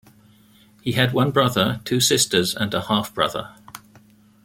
He had one brother, two sisters, and a half brother.